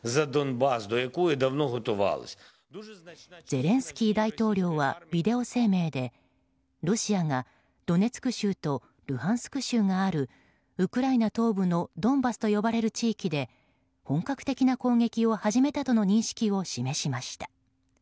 ゼレンスキー大統領はビデオ声明でロシアがドネツク州とルハンシク州があるウクライナ東部のドンバスと呼ばれる地域で本格的な攻撃を始めたとの認識を示しました。